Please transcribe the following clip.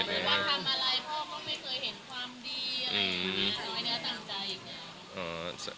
น้อยแนวต่างใจ